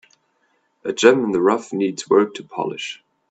A gem in the rough needs work to polish.